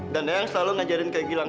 dan eyang selalu ngajarin kayak gilang